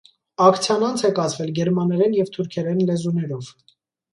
Ակցիան անց է կացվել գերմաներեն և թուրքերեն լեզուներով։